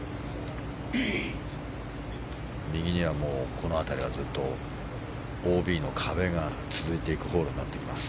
右には、この辺りはずっとＯＢの壁が続いていくホールになってきます。